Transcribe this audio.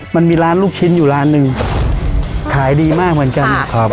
มันมีร้านลูกชิ้นอยู่ร้านหนึ่งขายดีมากเหมือนกันครับ